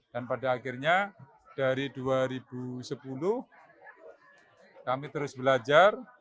dan pada akhirnya dari dua ribu sepuluh kami terus belajar